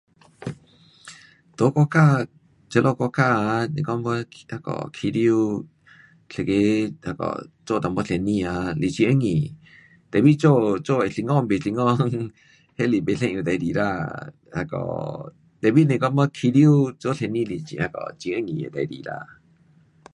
在国家这里国家啊，是讲我开始一个那个做一点生意啊是很容易的。tapi 做，做会成功不成功， 那是不一样的事情啦。那个 tapi 若要开始做生意那是很容易的事情啦。